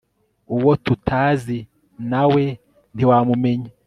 uwo tutazi nawe ntiwa mumenya